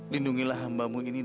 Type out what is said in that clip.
lindungilah hambamu ini dari segi